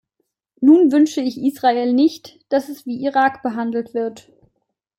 Nun wünsche ich Israel nicht, dass es wie Irak behandelt wird.